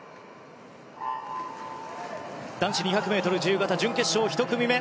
男子２００ｍ自由形準決勝１組目。